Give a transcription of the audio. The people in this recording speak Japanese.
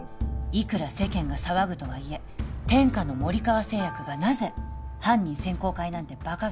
いくら世間が騒ぐとはいえ天下の森川製薬がなぜ犯人選考会なんてバカげたものを開くのか